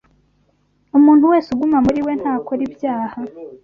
Umuntu wese uguma muri we ntakora ibyaha,